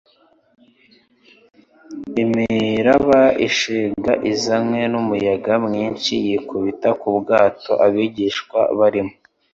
Imiraba ishega, izanywe n'umuyaga mwinshi yikubita ku bwato abigishwa barimo;